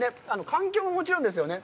環境ももちろんですね。